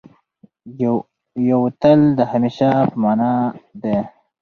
یو تل د همېشه په مانا دی.